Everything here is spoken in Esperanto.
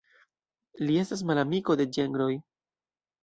Li estas malamiko de ĝenroj.